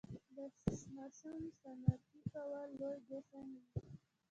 د ماشوم سنتي کول لوی جشن وي.